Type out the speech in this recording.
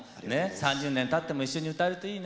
３０年たっても一緒に歌えるといいね。